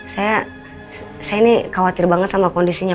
saya ini khawatir banget sama kondisinya